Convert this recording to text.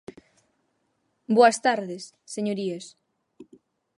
Boas tardes, señorías.